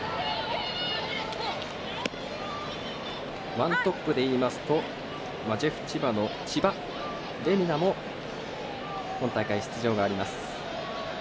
１トップでいいますとジェフ千葉の千葉玲海菜も今大会、出場があります。